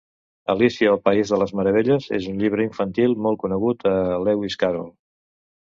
Alícia al país de les meravelles és un llibre infantil molt conegut de Lewis Carroll